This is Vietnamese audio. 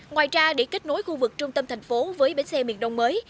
ngoài ra để kết nối khu vực trung tâm thành phố với bến xe miền đông mới